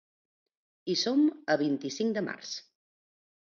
I som a vint-i-cinc de març.